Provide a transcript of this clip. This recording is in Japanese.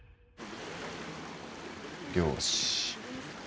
漁師。